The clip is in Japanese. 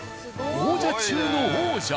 王者中の王者。